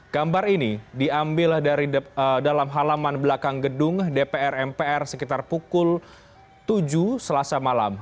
gambar ini diambil dari dalam halaman belakang gedung dpr mpr sekitar pukul tujuh selasa malam